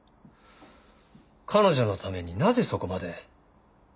彼女のためになぜそこまで？